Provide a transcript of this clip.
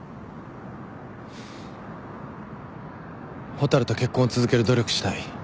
蛍と結婚を続ける努力したい。